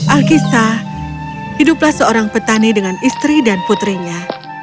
alkisah hiduplah seorang petani dengan istri dan putrinya